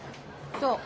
そう。